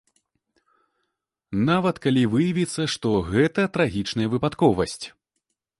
Нават калі выявіцца, што гэта трагічная выпадковасць.